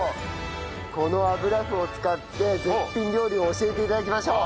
この油麩を使って絶品料理を教えて頂きましょう。